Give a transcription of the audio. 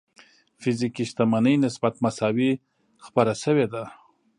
فزيکي شتمنۍ نسبت مساوي خپره شوې ده.